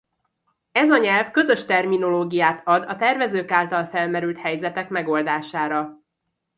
Ez a nyelv közös terminológiát ad a tervezők által felmerült helyzetek megoldására.